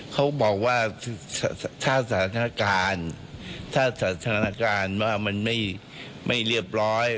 เขาบอกว่าท่าสถานการณ์ว่ามันไม่เรียบร้อย